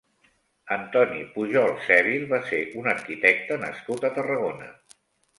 Antoni Pujol Sevil va ser un arquitecte nascut a Tarragona.